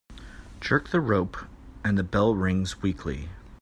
Jerk the rope and the bell rings weakly.